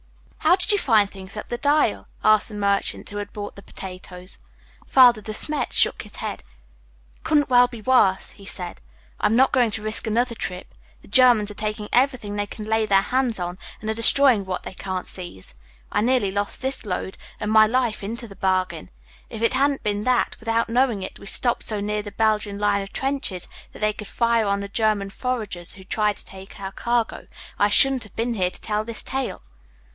"How did you find things up the Dyle?" asked the merchant who had bought the potatoes. Father De Smet shook his head. "Couldn't well be worse," he said. "I'm not going to risk another trip. The Germans are taking everything they can lay their hands on, and are destroying what they can't seize. I nearly lost this load, and my life into the bargain. If it hadn't been that, without knowing it, we stopped so near the Belgian line of trenches that they could fire on the German foragers who tried to take our cargo, I shouldn't have been here to tell this tale."